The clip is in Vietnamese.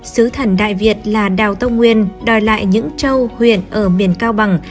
xứ thần đại việt là đào tông nguyên đòi lại những châu huyện ở miền cao bằng